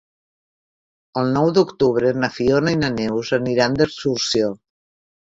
El nou d'octubre na Fiona i na Neus aniran d'excursió.